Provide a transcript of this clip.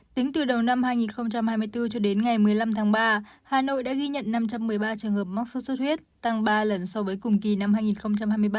tính từ đầu năm hai nghìn hai mươi bốn cho đến ngày một mươi năm tháng ba hà nội đã ghi nhận năm trăm một mươi ba trường hợp mắc sốt xuất huyết tăng ba lần so với cùng kỳ năm hai nghìn hai mươi ba